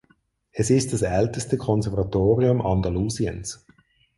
Es ist das älteste Konservatorium Andalusiens.